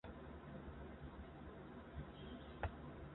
莱托帕莱纳是意大利阿布鲁佐大区基耶蒂省的一个镇。